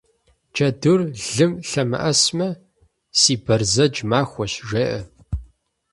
Джэдур лым лъэмыӏэсмэ, си бэрзэдж махуэщ, жеӏэ.